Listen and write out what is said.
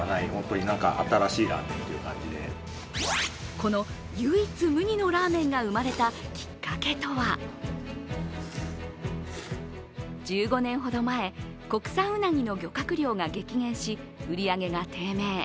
この唯一無二のラーメンが生まれたきっかけとは１５年ほど前、国産うなぎの漁獲量が激減し売り上げが低迷。